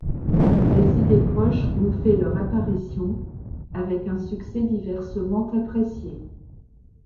Des idées proches ont fait leur apparition, avec un succès diversement apprécié.